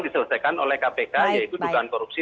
diselesaikan oleh kpk yaitu dugaan korupsi